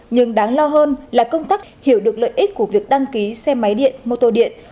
nhưng đáng lo hơn là công tác hiểu được lợi ích của việc đăng ký xe máy điện mô tô điện